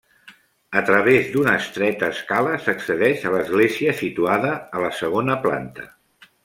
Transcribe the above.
A través d'una estreta escala s'accedeix a l'església situada a la segona planta.